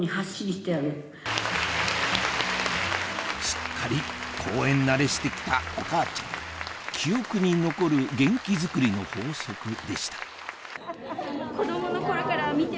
すっかり講演慣れして来たお母ちゃん記憶に残る元気づくりの法則でしたあいや。